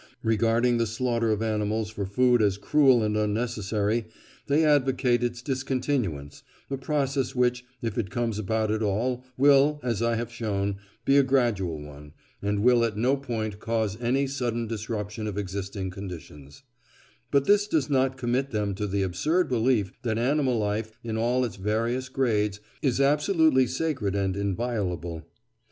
Regarding the slaughter of animals for food as cruel and unnecessary, they advocate its discontinuance (a process which, if it comes about at all, will, as I have shown, be a gradual one, and will at no point cause any sudden disruption of existing conditions), but this does not commit them to the absurd belief that animal life, in all its various grades, is absolutely sacred and inviolable.